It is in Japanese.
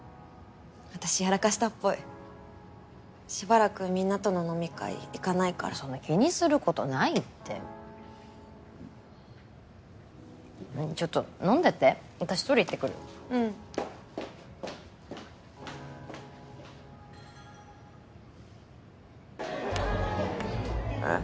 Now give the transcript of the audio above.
私やらかしたっぽいしばらくみんなとの飲み会行かないからそんな気にすることないってちょっと飲んでて私トイレ行ってくるうんえっ？